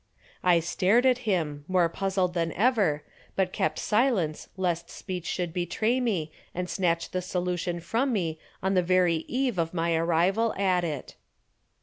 I stared at him, more puzzled than ever, but kept silence lest speech should betray me and snatch the solution from me on the very eve of my arrival at it.